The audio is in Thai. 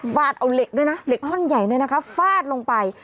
เอาเหล็กด้วยนะเหล็กท่อนใหญ่เนี่ยนะคะฟาดลงไป